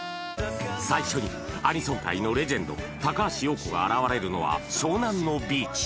最初にアニソン界のレジェンド高橋洋子が現れるのは湘南のビーチ